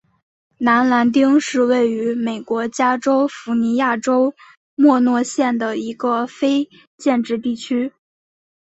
南兰丁是位于美国加利福尼亚州莫诺县的一个非建制地区。